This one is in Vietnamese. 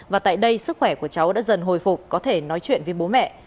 và tại đây sức khỏe của cháu đã dần hồi phục có thể nói chuyện với bố mẹ